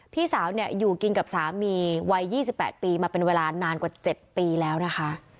พี่สาวอยู่กินกับสามีวัย๒๘ปีมาเป็นเวลานานกว่า๗ปีแล้วนะคะ